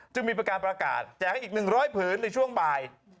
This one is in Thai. จึงมีการประกาศแจกอีก๑๐๐ผืนในช่วงบ่าย